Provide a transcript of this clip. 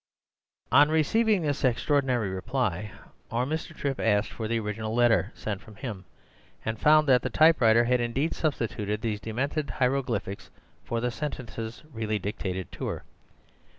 "On receiving this extraordinary reply, our Mr. Trip asked for the original letter sent from him, and found that the typewriter had indeed substituted these demented hieroglyphics for the sentences really dictated to her.